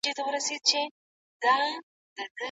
که زده کوونکي د یو بل املا وګوري.